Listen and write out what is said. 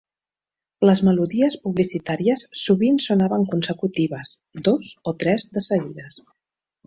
Les melodies publicitàries sovint sonaven consecutives, dos o tres de seguides.